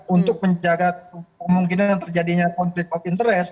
untuk menjaga kemungkinan terjadinya konflik of interest